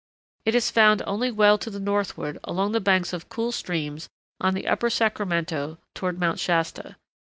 It is found only well to the northward along the banks of cool streams on the upper Sacramento toward Mount Shasta.